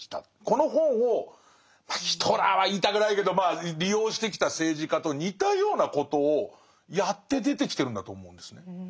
この本をまあヒトラーは言いたくないけど利用してきた政治家と似たようなことをやって出てきてるんだと思うんですね。